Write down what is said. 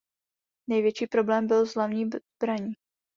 Největší problém byl s hlavní zbraní.